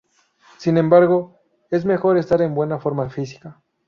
Sin embargo, es mejor estar en buena forma física.